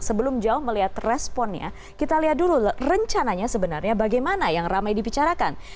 sebelum jauh melihat responnya kita lihat dulu rencananya sebenarnya bagaimana yang ramai dibicarakan